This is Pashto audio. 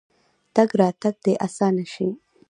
تګ راتګ دې اسانه شي.